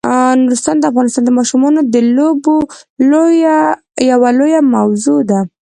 نورستان د افغانستان د ماشومانو د لوبو یوه لویه موضوع ده.